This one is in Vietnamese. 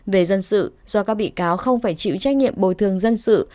về dân sự do các bị cáo không phải chịu trách nhiệm bồi thường dân sự